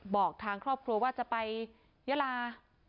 บอกทางครอบครัวว่าจะไปยาลา